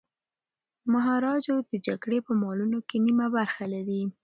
مهاراجا د جګړې په مالونو کي نیمه برخه لري.